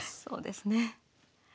そうですね。